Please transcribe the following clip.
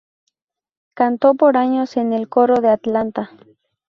Cantó por años en el coro de Atlanta.